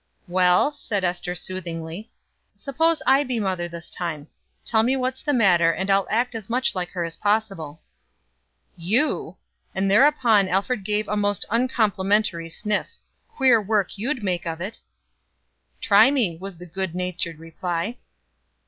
"Well," said Ester, soothingly, "suppose I be mother this time. Tell me what's the matter and I'll act as much like her as possible." "You!" And thereupon Alfred gave a most uncomplimentary sniff. "Queer work you'd make of it." "Try me," was the good natured reply.